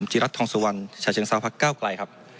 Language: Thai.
ผมก็เป็นธรรมจิรัตน์ทองสุวรรณชาวเชียงทราบภักดิ์๙ไกลครับ